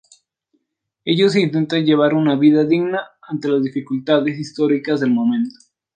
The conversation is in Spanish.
Ellos intentan llevar una vida digna ante las dificultades históricas del momento.